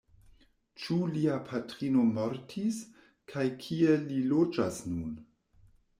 Ĉu lia patrino mortis!? kaj kie li loĝas nun?